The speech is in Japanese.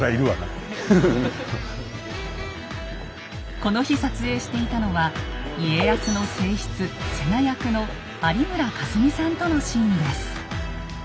この日撮影していたのは家康の正室・瀬名役の有村架純さんとのシーンです。